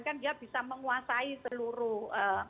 kan dia bisa menguasai seluruh ee